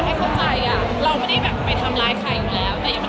มีสติปัญญาในสังคมมันเข้าใจด่าละทุกคน